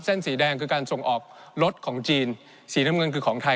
สีแดงคือการส่งออกรถของจีนสีน้ำเงินคือของไทย